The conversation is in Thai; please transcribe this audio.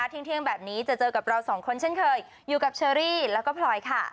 เที่ยงแบบนี้จะเจอกับเราสองคนเช่นเคยอยู่กับเชอรี่แล้วก็พลอยค่ะ